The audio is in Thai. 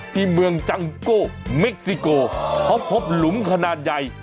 ที่เมืองจังโกเม็กซิโกเขาพบหลุมขนาดใหญ่